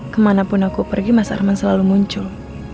kemanapun aku pergi mas arman selalu muncul